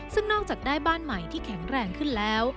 ซึ่งนอกจากได้บ้านใหม่ที่แข็งแรงขึ้นแล้ว